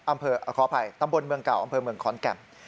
ขออภัยตำบลเมืองเก่าอำเภอเมืองขอนแก่น